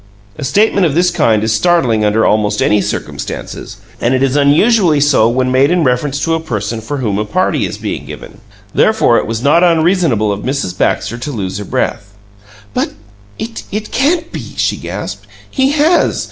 A statement of this kind is startling under Almost any circumstances, and it is unusually so when made in reference to a person for whom a party is being given. Therefore it was not unreasonable of Mrs. Baxter to lose her breath. "But it can't BE!" she gasped. "He has!